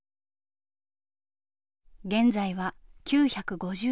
現在は９５１円。